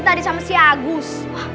tadi sama si agus